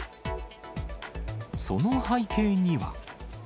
その背景には。